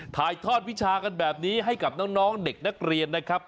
ถ่ายทอดวิชากันแบบนี้ให้กับน้องเด็กนักเรียนนะครับ